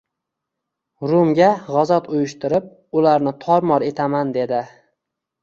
Rumga g‘azot uyushtirib, ularni tor-mor etaman”, dedi